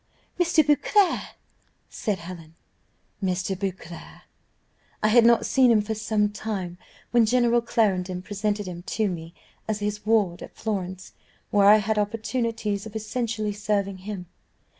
"Mr. Beauclerc!" said Helen. "Mr. Beauclerc. I had not seen him for some time, when General Clarendon presented him to me as his ward at Florence, where I had opportunities of essentially serving him.